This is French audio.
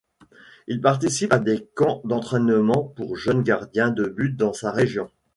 Il participe à des camps d'entraînement pour jeunes gardiens de but dans sa région.